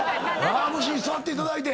むし座っていただいて。